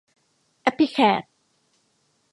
แอพพลิแคด